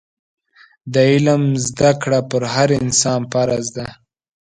د علم زده کړه پر هر مسلمان فرض ده.